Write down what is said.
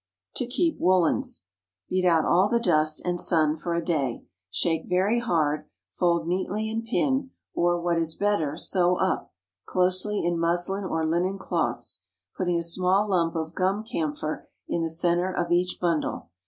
TO KEEP WOOLENS. Beat out all the dust, and sun for a day; shake very hard; fold neatly and pin—or, what is better, sew up—closely in muslin or linen cloths, putting a small lump of gum camphor in the centre of each bundle.